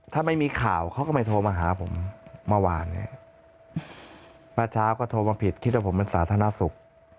ถ้าไม่มีข่าวเขาก็ไม่โทรมาหาผมเมื่อวานเนี่ยเมื่อเช้าก็โทรมาผิดคิดว่าผมเป็นสาธารณสุข